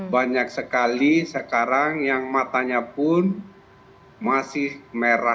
banyak sekali sekarang yang matanya pun masih merah